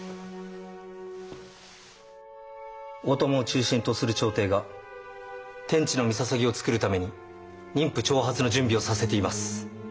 大友を中心とする朝廷が天智の山陵を造るために人夫徴発の準備をさせています。